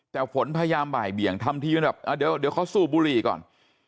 แต่ฝนพยายามบ่ายเบี่ยงทำทีว่าเดี๋ยวเขาสู้บุรีก่อน